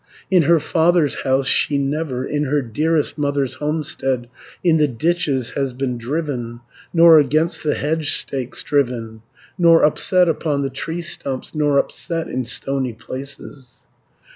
In her father's house she never, In her dearest mother's homestead, In the ditches has been driven, Nor against the hedge stakes driven, 100 Nor upset upon the tree stumps, Nor upset in stony places.